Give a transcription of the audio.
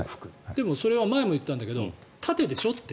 でも、それは前も言ったんですけど縦でしょって。